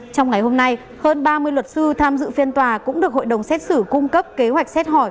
trong ngày hôm nay hơn ba mươi luật sư tham dự phiên tòa cũng được hội đồng xét xử cung cấp kế hoạch xét hỏi